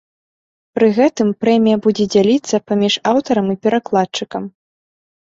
Пры гэтым прэмія будзе дзяліцца паміж аўтарам і перакладчыкам.